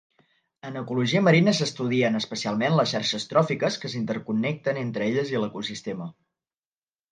En ecologia marina s'estudien especialment les xarxes tròfiques que s'interconnecten entre elles i l'ecosistema.